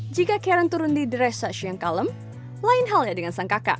jika karen turun di dressage yang kalem lain halnya dengan sang kakak